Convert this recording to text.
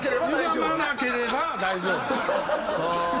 ゆがまなければ大丈夫。